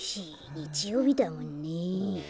にちようびだもんね。